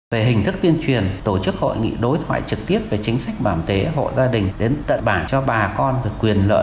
về hình thức tuyên truyền tổ chức hội nghị đối thoại trực tiếp về chính sách bảo hiểm tế hộ gia đình